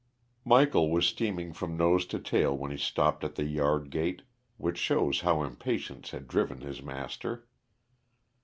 Michael was steaming from nose to tail when he stopped at the yard gate, which shows how impatience had driven his master.